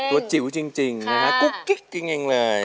ตัวจิ๋วจริงนะครับกุ๊กกิ๊กจริงเลย